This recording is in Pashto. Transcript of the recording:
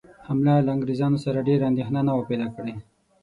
حمله له انګرېزانو سره ډېره اندېښنه نه وه پیدا کړې.